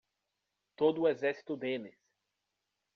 Todo o exército deles!